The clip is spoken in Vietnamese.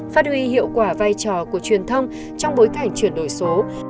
phát huy hiệu quả vai trò của truyền thông trong bối cảnh chuyển đổi số